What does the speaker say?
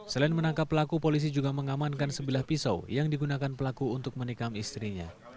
selain menangkap pelaku polisi juga mengamankan sebilah pisau yang digunakan pelaku untuk menikam istrinya